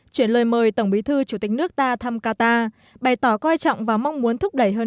chuyển lời mời tổng bí thư chủ tịch nước ta thăm qatar bày tỏ coi trọng và mong muốn thúc đẩy hơn